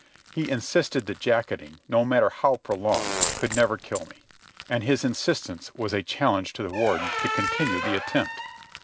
He insisted that jacketing, no matter how prolonged, could never kill me; and his insistence was a challenge to the Warden to continue the attempt.